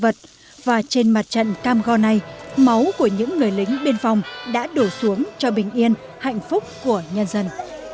vật và trên mặt trận cam go này máu của những người lính biên phòng đã đổ xuống cho bình yên hạnh phúc của nhân dân